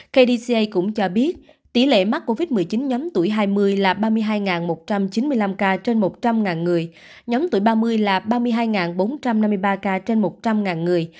kdca cũng cho biết tỷ lệ mắc covid một mươi chín nhóm tuổi hai mươi là ba mươi hai một trăm chín mươi năm ca trên một trăm linh người nhóm tuổi ba mươi là ba mươi hai bốn trăm năm mươi ba ca trên một trăm linh người